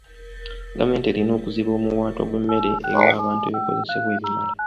Gavumenti erina okuziba omuwaatwa gw'emmere ewe abantu ebikozesebwa ebimala.